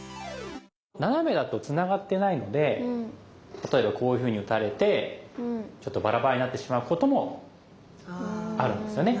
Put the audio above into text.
ナナメだとつながってないので例えばこういうふうに打たれてちょっとバラバラになってしまうこともあるんですよね。